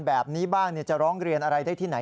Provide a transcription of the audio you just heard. แบบนี้บ้างจะร้องเรียนอะไรได้ที่ไหน